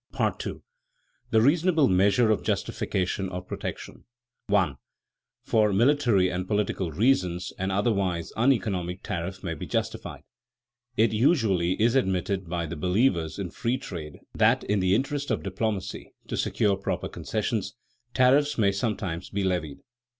§ II. THE REASONABLE MEASURE OF JUSTIFICATION OF PROTECTION [Sidenote: Political arguments for protection] 1. For military and political reasons an otherwise uneconomic tariff may be justified. It usually is admitted by the believers in free trade that in the interest of diplomacy, to secure proper concessions, tariffs may sometimes be levied.